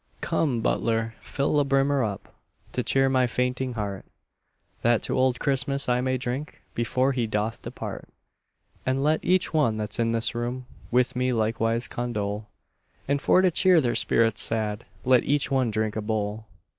Come, butler, fill a brimmer up To cheer my fainting heart, That to old Christmas I may drink Before he doth depart; And let each one that's in this room With me likewise condole, And for to cheer their spirits sad Let each one drink a bowl.